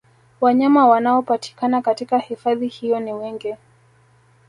Wanyama wanaopatikana katika hifadhi hiyo ni wengi